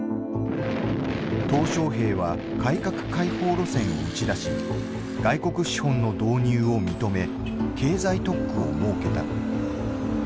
小平は改革開放路線を打ち出し外国資本の導入を認め経済特区を設けた。